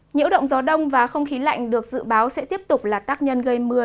nhiễu động gió đông và không khí lạnh được dự báo sẽ tiếp tục là tác nhân gây mưa